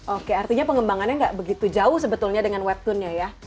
oke artinya pengembangannya nggak begitu jauh sebetulnya dengan webtoonnya ya